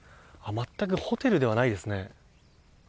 全くホテルではないですね。